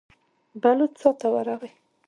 بلوڅ څا ته ورغی.